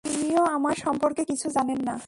তিনিও আমার সম্পর্কে কিছু জানেন না।